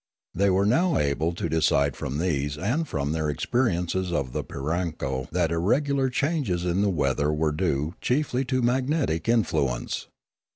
They were now able to decide from these and from their experiences of the pirakno that irregular changes in the weather were due chiefly to magnetic influence.